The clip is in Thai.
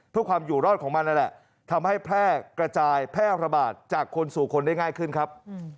เพื่อความอยู่รอดของมันนั่นแหละทำให้แพร่กระจายแพร่ระบาดจากคนสู่คนได้ง่ายขึ้นครับ